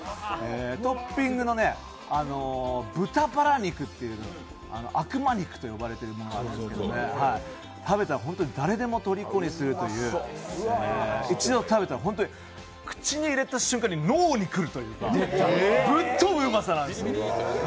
トッピングの豚バラ肉というのが悪魔肉と呼ばれていまして、食べたら本当に誰でもとりこにするという、一度食べたら、口に入れた瞬間に脳に来るというか、ぶっ飛ぶうまさ。